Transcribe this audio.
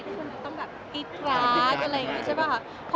ก็ต้องแบบกิดร้าได้อะไรอย่างนี้ใช่ป่าวค่ะ